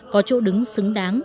có chỗ đứng xứng đáng